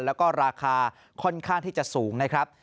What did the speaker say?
แล้วก็ราคาค่อนข้างที่จะสูงนะครับ